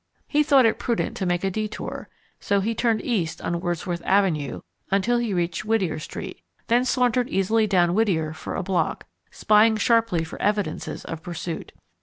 He thought it prudent to make a detour, so he turned east on Wordsworth Avenue until he reached Whittier Street, then sauntered easily down Whittier for a block, spying sharply for evidences of pursuit.